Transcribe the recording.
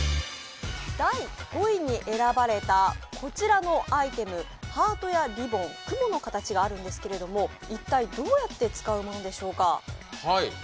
第５位に選ばれたこちらのアイテムハートやリボン雲の形があるんですけど一体、どうやって使うものでしょうか？